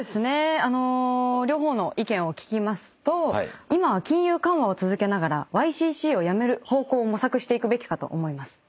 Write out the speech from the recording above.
両方の意見を聞きますと今は金融緩和を続けながらＹＣＣをやめる方向を模索していくべきかと思います。